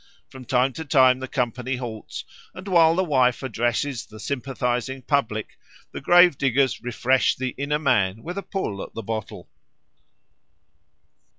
From time to time the company halts, and while the wife addresses the sympathising public, the grave diggers refresh the inner man with a pull at the bottle.